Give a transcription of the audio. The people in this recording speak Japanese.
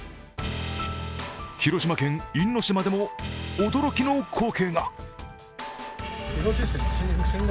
広島県因島でも、驚きの光景が。